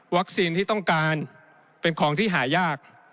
ที่ต้องการเป็นของที่หายาก